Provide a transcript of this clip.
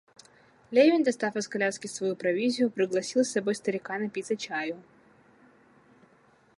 Левин, достав из коляски свою провизию, пригласил с собою старика напиться чаю.